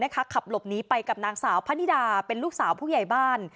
ขับหลบหนีไปกับนางสาวพะนิดาเป็นลูกสาวผู้ใหญ่บ้าน